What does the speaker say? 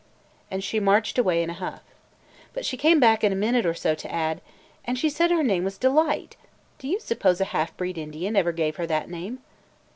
And she marched away in a huff. But she came back in a minute or so to add, "And she said her name was Delight. Do you suppose a half breed Indian ever gave her that name?"